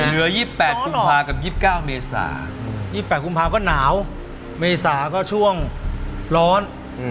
เหลือ๒๘กุมภากับ๒๙เมษา๒๘กุมภาก็หนาวเมษาก็ช่วงร้อน